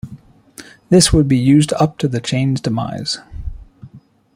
This would be used up to the chain's demise.